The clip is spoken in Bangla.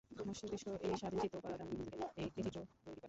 মস্তিষ্ক এই স্বাধীন চিত্র উপাদানগুলি থেকে একটি চিত্র তৈরি করে।